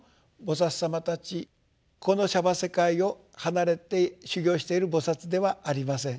この娑婆世界を離れて修行している菩薩ではありません。